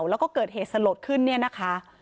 แล้วก็เกิดเหตุสลดขึ้นเนี่ยนะคะ